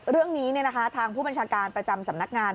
เรื่องนี้ทางผู้บัญชาการประจำสำนักงาน